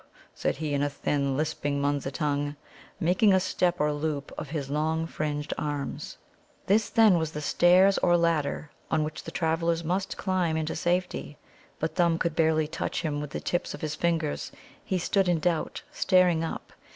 said he, in a thin, lisping Munza tongue, making a step or loop of his long fringed arms. This, then, was the stairs or ladder on which the travellers must climb into safety. But Thumb could barely touch him with the tips of his fingers. He stood in doubt, staring up.